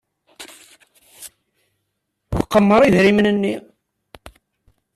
Tqemmer idrimen-nni.